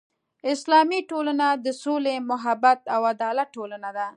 اسلامي ټولنه د سولې، محبت او عدالت ټولنه ده.